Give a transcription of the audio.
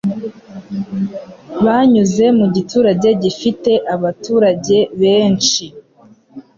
Banyuze mu giturange gifite abaturange benshi